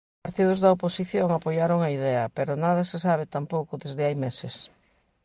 Partidos da oposición apoiaron a idea, pero nada se sabe tampouco desde hai meses.